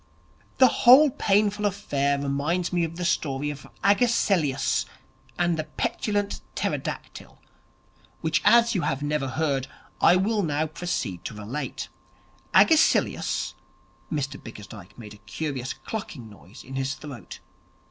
The whole painful affair reminds me of the story of Agesilaus and the Petulant Pterodactyl, which as you have never heard, I will now proceed to relate. Agesilaus ' Mr Bickersdyke made a curious clucking noise in his throat.